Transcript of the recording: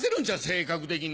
性格的に。